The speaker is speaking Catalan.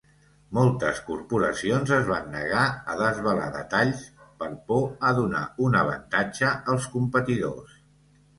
Moltes corporacions es van negar a desvelar detalls per por a donar un avantatge als competidors.